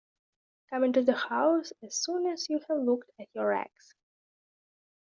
Come into the house as soon as you have looked at your eggs.